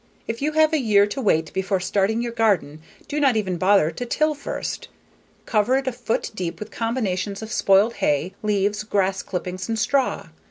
If you have a year to wait before starting your garden do not even bother to till first. Cover it a foot deep with combinations of spoiled hay, leaves, grass clippings, and straw.